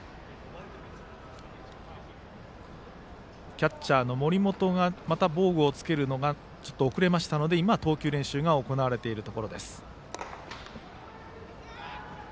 キャッチャーの森本がまた防具を着けるのが遅れましたので、今投球練習が行われているところ。